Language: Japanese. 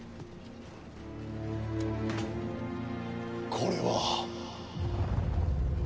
これは。